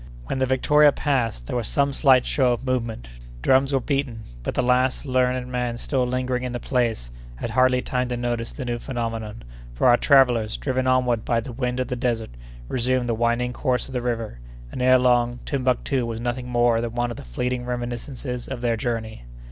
When the Victoria passed, there was some slight show of movement; drums were beaten; but the last learned man still lingering in the place had hardly time to notice the new phenomenon, for our travellers, driven onward by the wind of the desert, resumed the winding course of the river, and, ere long, Timbuctoo was nothing more than one of the fleeting reminiscences of their journey.